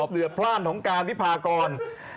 เดือนพลาดของการพิพากร